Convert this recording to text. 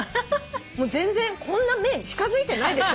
全然こんな目近づいてないでしょ！？